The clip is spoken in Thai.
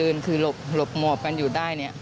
มีการฆ่ากันห้วย